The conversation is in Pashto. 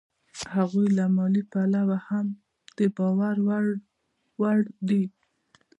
هغوی له مالي پلوه هم د باور وړ دي